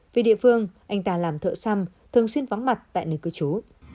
vì địa phương anh ta làm thợ xăm thường xuyên vắng mặt tại nơi cưới chú